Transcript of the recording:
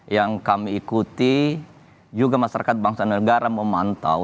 yang kami ikuti juga masyarakat bangsa dan negara memantau